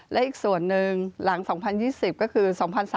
และอีกส่วนหนึ่งหลัง๒๐๒๐ก็คือ๒๓